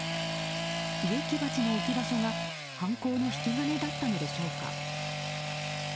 植木鉢の置き場所が犯行の引き金だったのでしょうか。